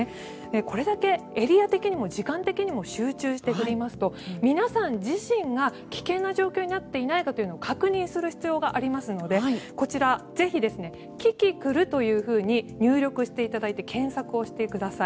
これだけエリア的にも時間的にも集中して降りますと皆さん自身が危険な状況になっていないかというのを確認する必要がありますのでこちら、キキクルというふうに入力していただいて検索をしてください。